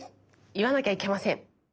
いわなきゃいけません。